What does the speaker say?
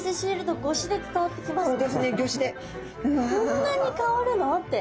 こんなに香るの？って。